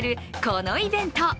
このイベント。